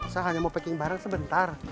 saya hanya mau packing bareng sebentar